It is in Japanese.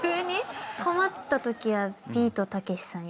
困ったときはビートたけしさん。